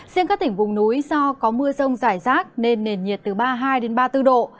riêng các tỉnh vùng núi do có mưa rông rải rác nên nền nhiệt từ ba mươi hai ba mươi bốn độ